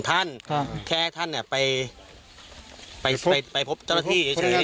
ท่านครับแค่ท่านเนี้ยไปไปไปไปพบเจ้ารถที่เฉยเฉย